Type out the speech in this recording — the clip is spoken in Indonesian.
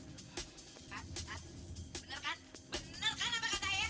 kan kan benar kan benar kan apa kata ae